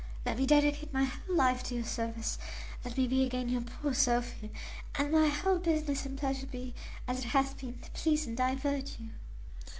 Let me dedicate my whole life to your service; let me be again your poor Sophy, and my whole business and pleasure be, as it hath been, to please and divert you."